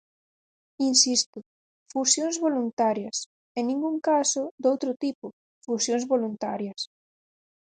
Insisto, fusións voluntarias, en ningún caso doutro tipo, fusións voluntarias.